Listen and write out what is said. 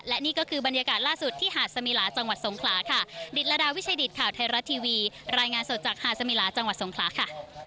และนี่ก็คือบรรยากาศล่าสุดที่หาดสมีลาจังหวัดสงคราค่ะ